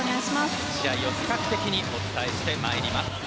試合を多角的にお伝えしてまいります。